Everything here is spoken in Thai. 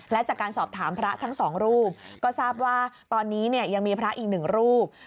และจากการสอบถามพระทั้งสองรูปก็ทราบว่าตอนนี้เนี่ยยังมีพระอีกหนึ่งรูป